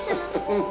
うん。